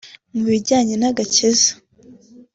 Mu bijyanye n’agakiza